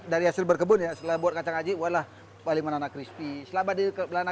dari hasil berkebun yang setelah buat kacang aji walah paling mana crispy selamat dikelola